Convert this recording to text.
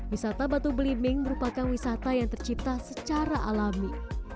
wisata batu belimbing merupakan wisata yang tercipta secara alami